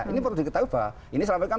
ini perlu diketahui pak ini selama ini kan